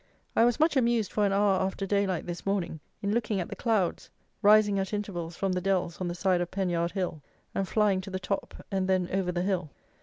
I was much amused for an hour after daylight this morning in looking at the clouds, rising at intervals from the dells on the side of Penyard Hill, and flying to the top, and then over the Hill.